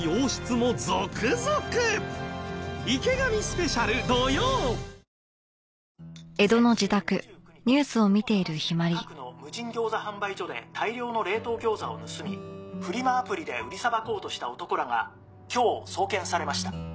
「ＭＡＲＥ」家は生きる場所へ「先週２９日横浜市中区の無人餃子販売所で大量の冷凍餃子を盗みフリマアプリで売りさばこうとした男らが今日送検されました」